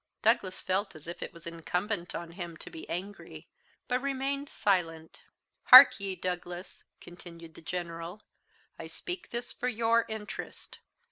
Douglas felt as if it was incumbent on him to be angry, but remained silent. "Hark ye, Douglas," continued the General, "I speak this for your interest.